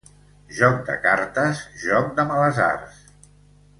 Joc de cartes, joc de males arts.